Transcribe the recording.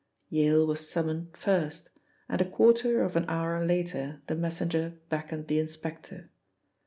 Yale was summoned first, and a quarter of an hour later the messenger beckoned the inspector.